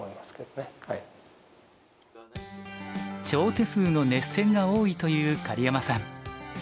長手数の熱戦が多いという狩山さん。